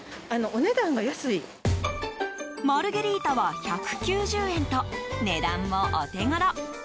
マルゲリータは１９０円と値段もお手頃。